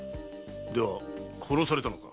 では殺されたのか？